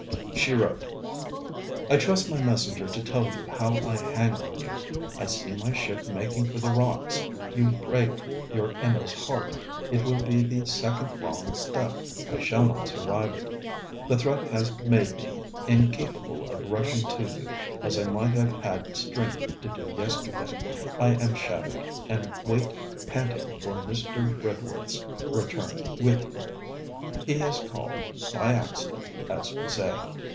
She wrote: 'I trust my messenger to tell you how I hang on you. I see my ship making for the rocks. You break your Emma's heart. It will be the second wrong step. I shall not survive it. The threat has made me incapable of rushing to you, as I might have had strength to do yesterday. I am shattered, and I wait panting for Mr. Redworth's return with you. He has called, by accident, as we say.